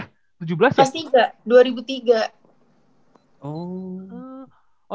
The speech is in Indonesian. oh lu beda setara ya